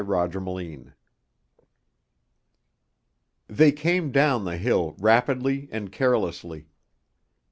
CHAPTER IX They came down the hill rapidly and carelessly.